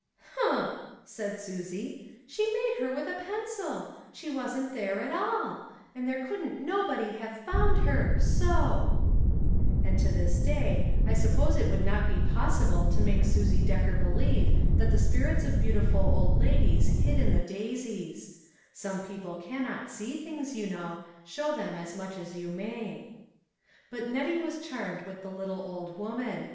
" Humph !" said Susie, " she made her with a pencil; she wasn't there at all; and there couldn't nobody have found her. So !" A WILL AND A WAT. 285 And to this day, I suppose it would not be possible to make Susie Decker believe that the spirits of beautiful old ladies hid in the daisies I Some people cannot see things, you know, show them as much as you may. But Nettie was charmed with the little old woman.